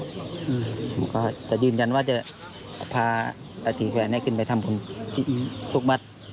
ผมก็จะยืนว่านี่จะพาอาทีแค้นแน่ขึ้นไปทำขนสุขบรรย์